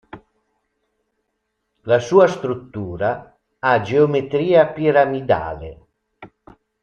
La sua struttura ha geometria piramidale.